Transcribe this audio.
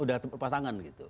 sudah lepas tangan